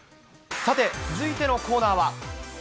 さて、続いてのコーナーは。